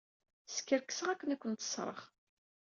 Skerkseɣ akken ad kent-ṣṣreɣ.